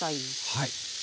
はい。